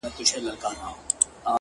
مرگه که ژوند غواړم نو تاته نذرانه دي سمه